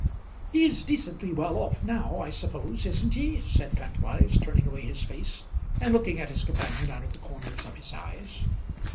"He's decently well off now, I suppose, isn't he?" said Kantwise, turning away his face, and looking at his companion out of the corners of his eyes.